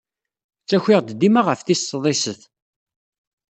Ttakiɣ-d dima ɣef tis sḍiset.